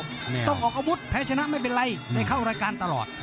นี่ต้องออกอาวุธแพ้ชนะไม่เป็นไรได้เข้ารายการตลอด